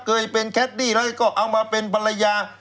เคยเป็นแคดดี้แล้วก็เอามาเป็นภรรยา